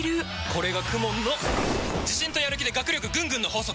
これがＫＵＭＯＮの自信とやる気で学力ぐんぐんの法則！